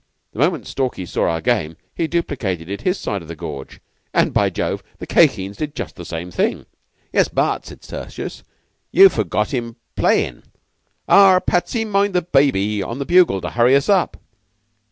The moment Stalky saw our game he duplicated it his side the gorge; and, by Jove! the Khye Kheens did just the same thing." "Yes, but," said Tertius, "you've forgot him playin' 'Arrah, Patsy, mind the baby' on the bugle to hurry us up."